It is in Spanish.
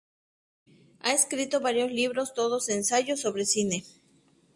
Ha escrito varios libros, todos ensayos sobre cine.